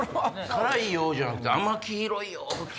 「辛いよ」じゃなくて「甘黄色いよ」って。